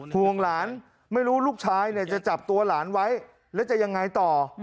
ห่วงหลานไม่รู้ลูกชายจะจับตัวหลานไว้แล้วจะยังไงต่อ